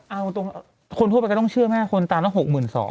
เอาตรงคนทั่วไปก็ต้องเชื่อแม่คนตามละ๖๒๐๐